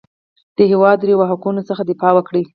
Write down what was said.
د هېواد روا حقونو څخه دفاع وکړي.